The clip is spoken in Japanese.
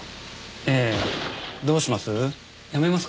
ええどうします？